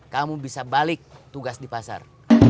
kamu bisa balik tugas di pasar